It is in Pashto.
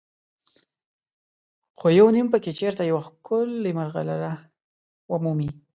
خو یو نیم پکې چېرته یوه ښکلې مرغلره ومومي.